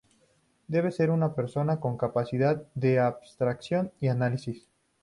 Debe ser una persona con capacidad de abstracción y análisis.